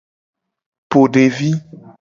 Po devi.